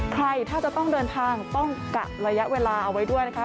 ใครถ้าจะต้องเดินทางต้องกะระยะเวลาเอาไว้ด้วยนะคะ